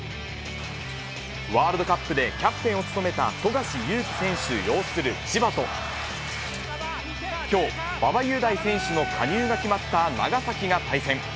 ワールドカップでキャプテンを務めた富樫勇樹選手擁する千葉と、きょう、馬場雄大選手の加入が決まった長崎が対戦。